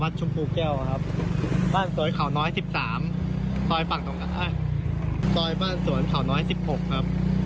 เดี๋ยวซ้ายสอย๒ครับ